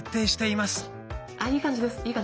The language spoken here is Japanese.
いい感じです。